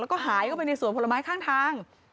แล้วก็หายเข้าไปในสวนผลไม้ข้างทาง